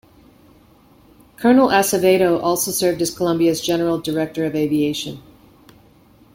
Colonel Acevedo also served as Colombia's General Director of aviation.